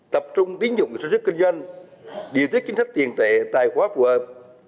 tập trung tiến dụng sơ sức kinh doanh điều tiết kiến sách tiền tệ tài khoá phù hợp